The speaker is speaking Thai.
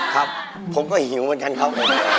ครับผมก็หิวเหมือนกันครับ